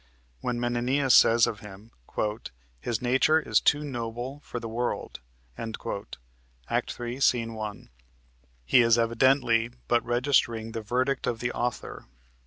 When Menenius says of him: "His nature is too noble for the world," (Act 3, Sc. 1.) he is evidently but registering the verdict of the author.